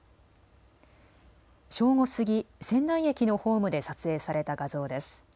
正午過ぎ、仙台駅のホームで撮影された画像です。